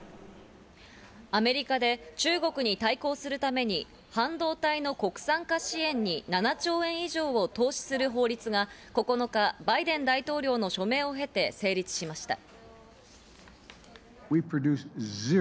アメリカで中国に対抗するために半導体の国産化支援に７兆円以上を投資する法律が９日、バイデン大統領の署名を経て成立しました。